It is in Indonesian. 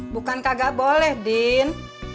bukan kagak boleh din